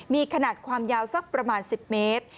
มีขนาดความยาวสักประมาณ๑๐เมตร